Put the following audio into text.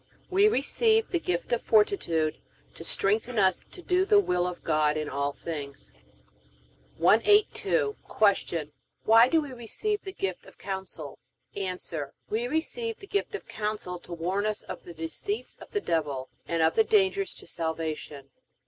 We receive the gift of Fortitude to strengthen us to do the will of God in all things. 182. Q. Why do we receive the gift of Counsel? A. We receive the gift of Counsel to warn us of the deceits of the devil, and of the dangers to salvation.